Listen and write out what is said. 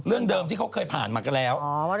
เรื่องเดิมที่เขาเคยผ่านมากันแล้ว